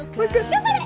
頑張れ！